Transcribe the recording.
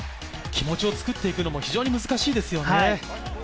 気持ちを作っていくのも非常に難しいですよね。